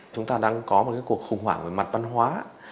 chúng ta đang có một cuộc khủng hoảng về mặt văn hóa